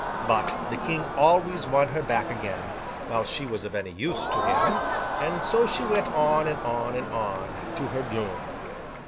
But, the King always won her back again—while she was of any use to him—and so she went on and on and on, to her doom.